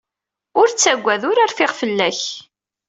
Ur ttagad. Ur rfiɣ fell-ak.